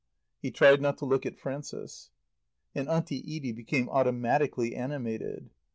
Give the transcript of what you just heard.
He tried not to look at Frances. And Auntie Edie became automatically animated.